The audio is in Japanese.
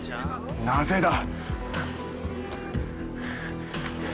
なぜだ！